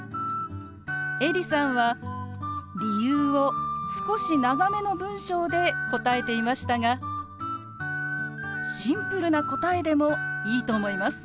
エリさんは理由を少し長めの文章で答えていましたがシンプルな答えでもいいと思います。